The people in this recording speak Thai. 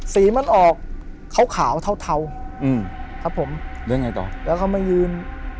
สีมันออกขาวเท้าครับผมแล้วอีกไหนต่อแล้วเขาไม่ยืน